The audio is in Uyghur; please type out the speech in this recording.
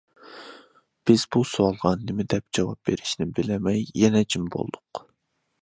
بىز بۇ سوئالغا نېمىدەپ جاۋاب بېرىشنى بىلەلمەي، يەنە جىم بولدۇق.